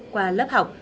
qua lớp học